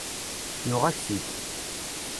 Yuɣ-ak-t-id.